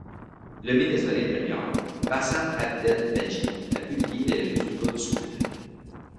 Le ministre de l'intérieur, Bassam Abdel Majeed a publié les résultats du scrutin.